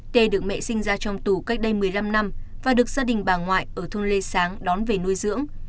tê được mẹ sinh ra trong tù cách đây một mươi năm năm và được gia đình bà ngoại ở thôn lê sáng đón về nuôi dưỡng